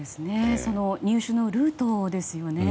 入手のルートですよね。